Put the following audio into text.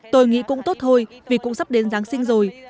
tôi nghĩ cũng tốt thôi vì cũng sắp đến giáng sinh rồi